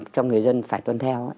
cho người dân phải tuân theo